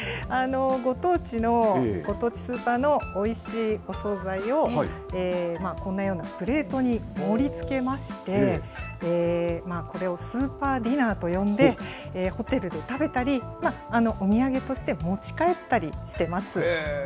ご当地スーパーのおいしいお総菜を、こんなようなプレートに盛りつけまして、これをスーパーディナーと呼んで、ホテルで食べたり、お土産として持ち帰ったりしています。